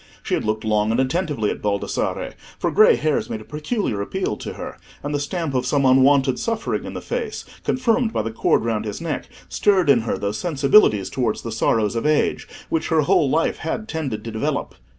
She had looked long and attentively at Baldassarre, for grey hairs made a peculiar appeal to her, and the stamp of some unwonted suffering in the face, confirmed by the cord round his neck, stirred in her those sensibilities towards the sorrows of age, which her whole life had tended to develop.